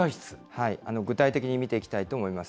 具体的に見ていきたいと思います。